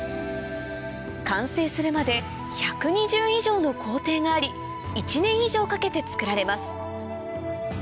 完成するまで１２０以上の工程があり１年以上かけて作られます